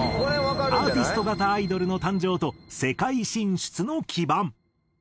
アーティスト型アイドルの誕生と世界進出の基盤。